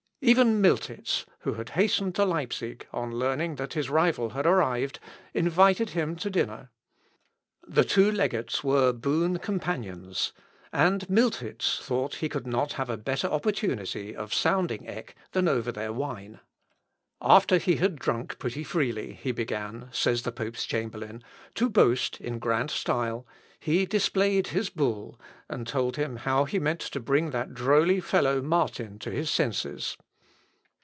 Even Miltitz, who had hastened to Leipsic, on learning that his rival had arrived, invited him to dinner. The two legates were boon companions; and Miltitz thought he could not have a better opportunity of sounding Eck than over their wine. "After he had drunk pretty freely, he began," says the pope's chamberlain, "to boast in grand style he displayed his bull, and told how he meant to bring that droll fellow Martin to his senses."